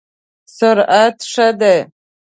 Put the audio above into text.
سرعت ښه دی؟